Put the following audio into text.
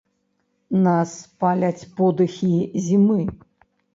Нас паляць подыхі зімы.